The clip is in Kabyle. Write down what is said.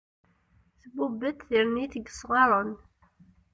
Tbubb-d tirint n yesɣaren.